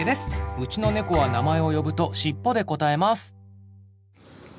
うちの猫は名前を呼ぶと尻尾で答えます。